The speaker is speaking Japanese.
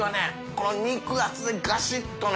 海肉厚でガシッとね